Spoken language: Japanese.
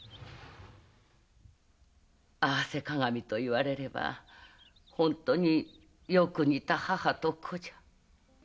「合わせ鏡」と言われれば本当によく似た母と子じゃ。